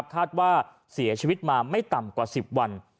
คาดว่าเสียชีวิตมาไม่ต่ำกว่า๑๐วัน